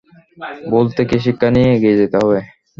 ভুল থেকে শিক্ষা নিয়ে এগিয়ে যেতে হবে।